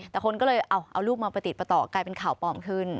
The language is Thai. แต่คนก็เลยเอารูปมาประติดประต่อกลายเป็นข่าวปลอมขึ้น